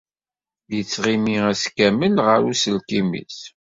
Yettɣimi ass kamel ɣer uselkim-is.